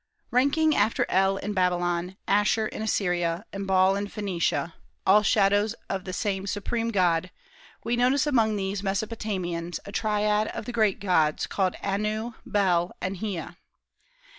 Ranking after El in Babylon, Asshur in Assyria, and Baal in Phoenicia, all shadows of the same supreme God, we notice among these Mesopotamians a triad of the great gods, called Anu, Bel, and Hea.